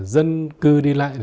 dân cư đi lại